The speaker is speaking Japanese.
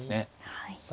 はい。